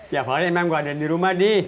ya pak aji memang gue ada di rumah d